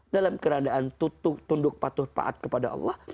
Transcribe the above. dalam keadaan tunduk patuh taat kepada allah